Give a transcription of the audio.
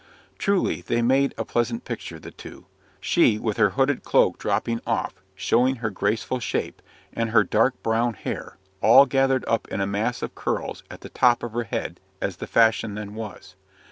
Truly, they made a pleasant picture, the two she with her hooded cloak dropping off, showing her graceful shape, and her dark brown hair, all gathered up in a mass of curls at the top of her head, as the fashion then was.